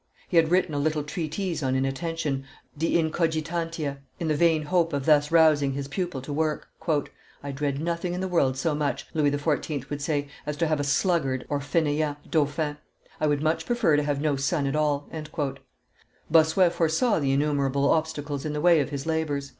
He had written a little treatise on inattention, De Incogitantia, in the vain hope of thus rousing his pupil to work. "I dread nothing in the world so much," Louis XIV would say, "as to have a sluggard (faineant) dauphin; I would much prefer to have no son at all!" Bossuet foresaw the innumerable obstacles in the way of his labors.